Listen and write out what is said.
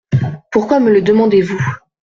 Pourquoi me le demandez-vous ?